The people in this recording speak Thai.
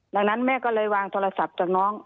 ดังนั้นแม่ก็เลยวางโทรศัพท์จากน้อง